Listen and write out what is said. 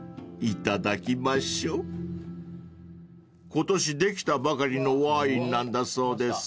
［今年できたばかりのワインなんだそうです］